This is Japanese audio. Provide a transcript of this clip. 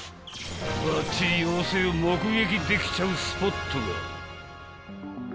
［ばっちり妖精を目撃できちゃうスポットが！］